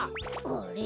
あれ？